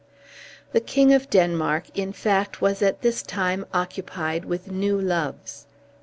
The King of Denmark, in fact, was at this time occupied with new loves.